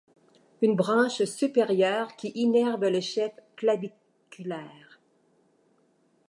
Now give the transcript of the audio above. Une branche supérieure qui innerve le chef claviculaire.